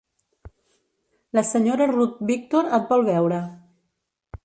La senyora Ruth Victor et vol veure.